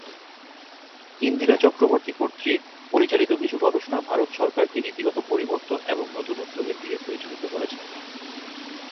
ইন্দিরা চক্রবর্তী কর্তৃক পরিচালিত কিছু গবেষণা ভারত সরকারকে নীতিগত পরিবর্তন এবং নতুন উদ্যোগের দিকে পরিচালিত করেছে।